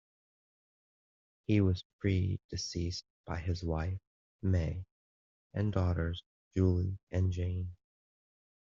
He was predeceased by his wife, May, and daughters, Julie and Jayne.